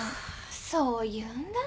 そう言うんだって。